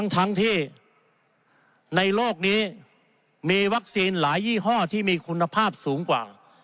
ทั้งที่ในโลกนี้มีวัคซีนหลายยี่ห้อที่มีคุณภาพสูงกว่า